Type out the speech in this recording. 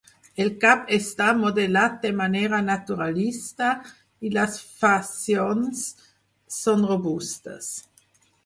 El cap està modelat de manera naturalista, i les faccions són robustes.